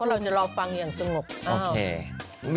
ก็เราจะรอฟังอย่างสงบ